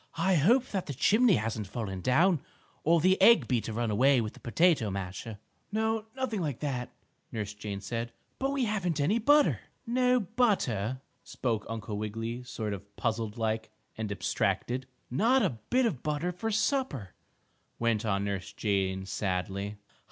"I hope that the chimney hasn't fallen down, or the egg beater run away with the potato masher." "No, nothing like that," Nurse Jane said. "But we haven't any butter!" "No butter?" spoke Uncle Wiggily, sort of puzzled like, and abstracted. "Not a bit of butter for supper," went on Nurse Jane, sadly.